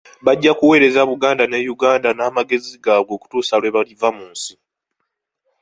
Bajja kuweereza Buganda ne Uganda n'amagezi gaabwe okutuusa lwe baliva mu nsi.